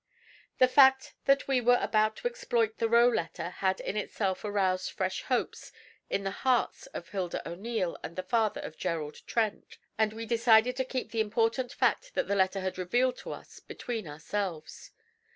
The fact that we were about to exploit the Roe letter had in itself aroused fresh hopes in the hearts of Hilda O'Neil and the father of Gerald Trent, and we decided to keep the important fact that the letter had revealed to us between ourselves.